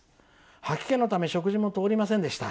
吐き気のため食事も通りませんでした。